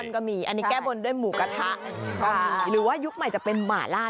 ทีนี้สายหมูก็วาวุ้นเลย